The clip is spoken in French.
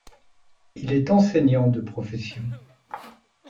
Il est enseignant de profession.